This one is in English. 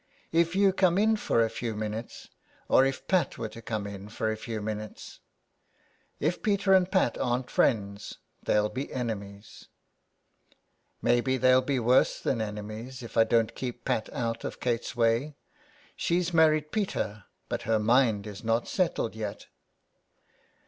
" If you come in for a few minutes, or if Pat were to come in for a few minutes. If Peter and Pat aren't friends they'll be enemies.'* 71 SOME PARISHIONERS. *' Maybe they'd be worse enemies if I don't keep Pat out of Kate's way. She's married Peter; but her mind is not settled yet.''